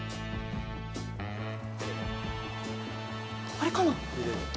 あれかな？